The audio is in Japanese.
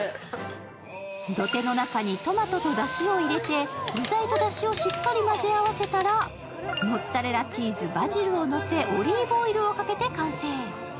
土手の中にトマトとだしを入れて具材とだしをしっかり混ぜ合わせたらモッツァレラチーズ、バジルをのせオリーブオイルをかけて完成。